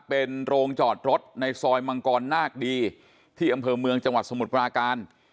เป็นโรงจอดรถในซอยมังกรนาคดีที่อำเภอเมืองจังหวัดสมุทรปราการ